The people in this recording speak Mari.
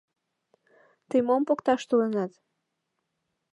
Тый мом покташ толынат?